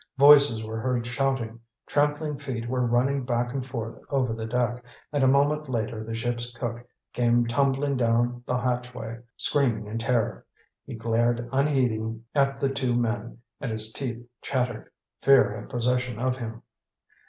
Voices were heard shouting, trampling feet were running back and forth over the deck, and a moment later the ship's cook came tumbling down the hatchway, screaming in terror. He glared unheeding at the two men, and his teeth chattered. Fear had possession of him.